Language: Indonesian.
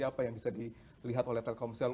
apa yang bisa dilihat oleh telkomsel